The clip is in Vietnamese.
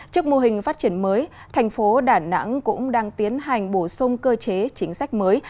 trước mô hình phát triển mới thành phố đà nẵng cũng đang tiến hành bổ sung cơ chế chính sách mới